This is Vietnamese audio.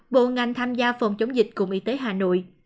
bộ ngành tham gia phòng chống dịch cùng y tế hà nội